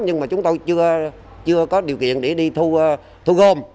nhưng mà chúng tôi chưa có điều kiện để đi thu gom